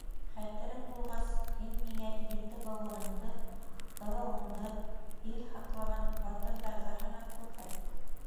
Хәтерең булғас, һин миңә ете быуыныңды, ырыуыңды, ил һаҡлаған батырҙарҙы һанап күрһәт!